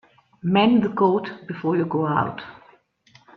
Mend the coat before you go out.